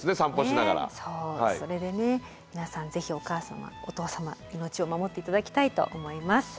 それでね皆さんぜひお母様お父様の命を守って頂きたいと思います。